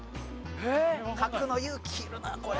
書くの勇気いるなこれ。